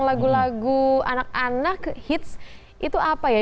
lagu lagu anak anak hits itu apa ya